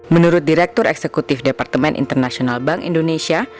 menurut direktur eksekutif departemen internasional bank indonesia